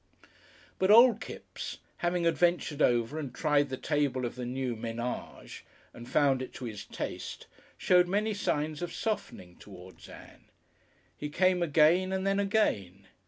But old Kipps, having adventured over and tried the table of the new menage and found it to his taste, showed many signs of softening towards Ann. He came again and then again.